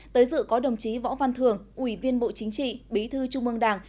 tới dự có đồng chí võ văn thường ủy viên bộ chính trị bí thư trung mương đảng